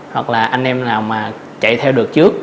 hoặc là anh em nào mà chạy theo được trước